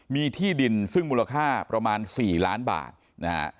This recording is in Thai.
มีที่ดินซึ่งมูลค่าประมาณ๔ล้านบาทนะฮะ